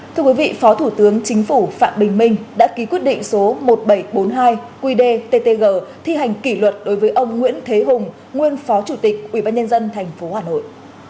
thưa quý vị phó thủ tướng chính phủ phạm bình minh đã ký quyết định số một nghìn bảy trăm bốn mươi hai qdttg thi hành kỷ luật đối với ông nguyễn thế hùng nguyên phó chủ tịch ubnd tp hà nội